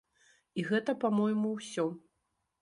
І гэта, па-мойму, усё.